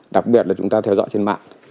đặc biệt là chúng ta theo dõi trên mạng